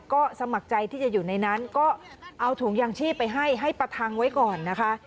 ก็สมัครใจที่จะอยู่ในนั้นก็เอาถุงยางชีพไปให้ให้ประทังไว้ก่อนนะคะ